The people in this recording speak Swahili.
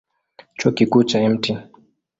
Chuo Kikuu cha Mt.